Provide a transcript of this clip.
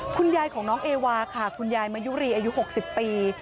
คุณยายของน้องเอวาค่ะคุณยายมะยุรีอายุ๖๐ปี